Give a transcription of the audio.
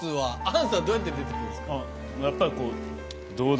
亞んさんどうやって出て来るんですか？